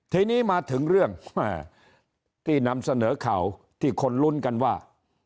ทีนี้มาถึงเรื่องที่นำเสนอข่าวที่คนลุ้นกันว่า